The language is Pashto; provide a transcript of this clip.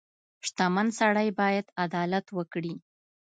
• شتمن سړی باید عدالت وکړي.